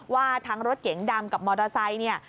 ว่าทั้งรถเก๋งดำกับมอเตอร์ไซค์เนี่ย